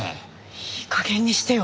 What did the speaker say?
いい加減にしてよ。